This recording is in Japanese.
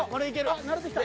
あっ慣れてきた。